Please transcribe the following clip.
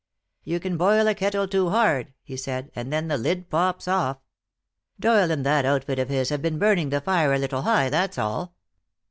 "You can boil a kettle too hard," he said, "and then the lid pops off. Doyle and that outfit of his have been burning the fire a little high, that's all.